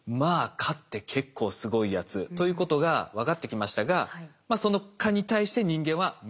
蚊って結構すごいやつということが分かってきましたがその蚊に対して人間は無防備だと。